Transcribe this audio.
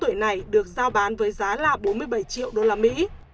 căn biệt thự này được giao bán với giá là bốn mươi bảy triệu đô la mỹ